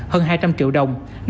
hơn hai trăm linh triệu đồng